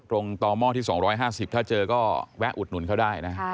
ตรงต่อหม้อที่๒๕๐ถ้าเจอก็แวะอุดหนุนเขาได้นะ